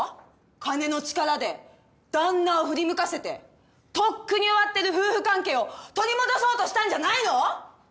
金の力で旦那を振り向かせてとっくに終わってる夫婦関係を取り戻そうとしたんじゃないの？